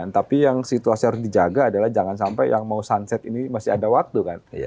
tapi yang situasi harus dijaga adalah jangan sampai yang mau sunset ini masih ada waktu kan